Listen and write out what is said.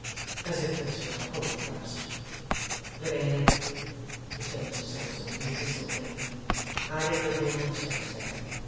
(As if this were a home thrust.) 'Lavinia,' returned Mr Sampson, in a dismal vein, 'I did not mean to say so.